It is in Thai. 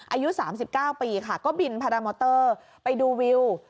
อายุสามสิบเก้าปีค่ะก็บินพารามอเตอร์ไปดูวิว